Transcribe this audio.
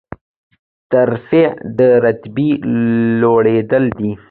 ترفیع د رتبې لوړیدل دي